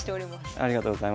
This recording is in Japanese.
ありがとうございます。